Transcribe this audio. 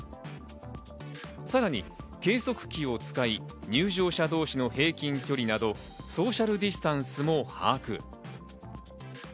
さらに計測器を使い入場者同士の平均距離などソーシャルディスタンスも把握。